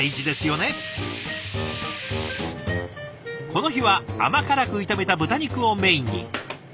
この日は甘辛く炒めた豚肉をメインに。